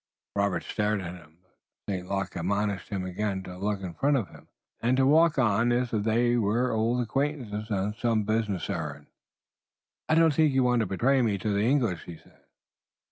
Robert stared at him, but St. Luc admonished him again to look in front of him, and walk on as if they were old acquaintances on some business errand. "I don't think you want to betray me to the English," he said.